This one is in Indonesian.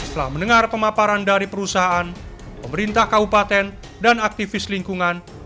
setelah mendengar pemaparan dari perusahaan pemerintah kabupaten dan aktivis lingkungan